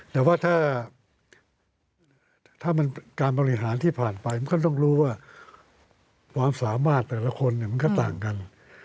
แต่ว่าถ้าการบริหารที่ผ่านไปมันก็ต้องรู้ว่าความสามารถแต่ละคนมันก็ต่างกัน